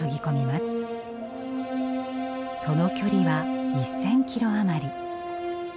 その距離は１，０００キロ余り。